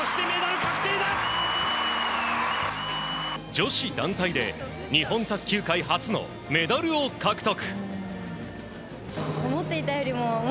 女子団体で日本卓球界初のメダルを獲得。